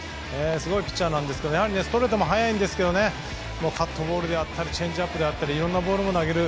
すごいピッチャーなんですがストレートも速いんですがカットボールだったりチェンジアップであったりいろいろなボールも投げる。